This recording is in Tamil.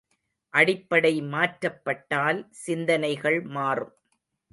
அடிப்படை மாற்றப்பட்டால், சிந்தனைகள் மாறும்.